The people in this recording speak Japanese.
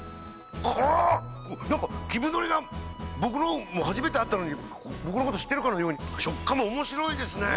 なんか木生海苔が僕のほうも初めて会ったのに僕のこと知ってるかのように食感もおもしろいですね。